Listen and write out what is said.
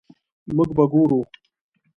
مونږ به ګورو